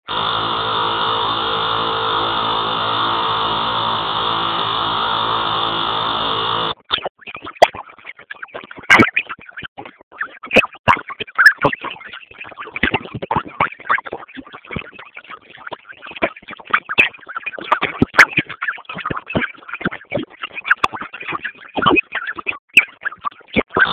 لومړې ماده: